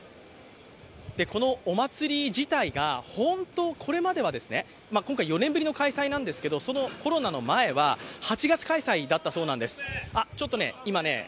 このお祭り自体が今回、４年ぶりの開催なんですけど、コロナの前は８月開催だったそうです。